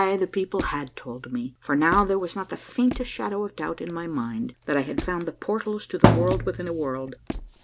Ay, the people had told me, for now there was not the faintest shadow of doubt in my mind that I had found the portals to the World within a World